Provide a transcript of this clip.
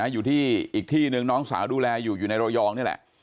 อยู่ที่อีกที่หนึ่งน้องสาวดูแลอยู่อยู่ในระยองนี่แหละ